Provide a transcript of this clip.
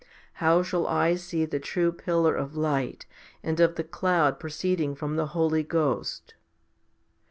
How shall I see the true pillar of light, and of the cloud pro ceeding from the Holy Ghost?